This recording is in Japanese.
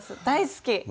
大好き。